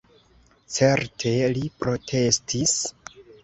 Certe, li protestis.